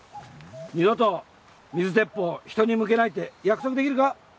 二度と水鉄砲人に向けないって約束できるか？